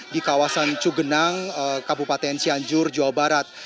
di kawasan cugenang kabupaten cianjur jawa barat